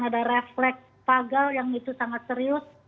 ada refleks pagal yang itu sangat serius